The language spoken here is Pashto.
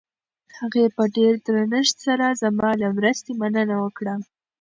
هغې په ډېر درنښت سره زما له مرستې مننه وکړه.